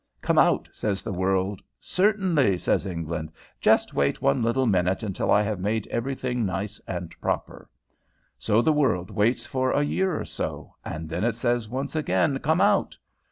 'Come out,' says the world. 'Certainly,' says England; 'just wait one little minute until I have made everything nice and proper.' So the world waits for a year or so, and then it says once again, 'Come out.'